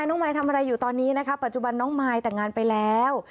น้องมายทำอะไรอยู่ตอนนี้นะคะปัจจุบันน้องมายแต่งงานไปแล้ว